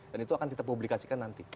dan itu akan kita publikasikan nanti